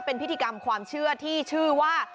เป็นพิธีกรรมความเชื่อที่ชื่อว่า